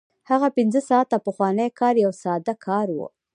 هغه پنځه ساعته پخوانی کار یو ساده کار و